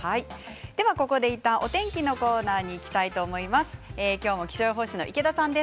いったんお天気のコーナーにいきたいと思います。